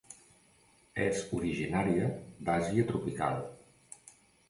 És originària d'Àsia tropical.